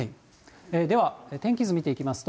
では天気図見ていきますと、